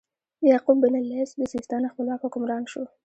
یعقوب بن اللیث د سیستان خپلواک حکمران شو.